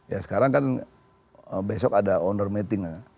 ya sekarang kan besok ada owner meeting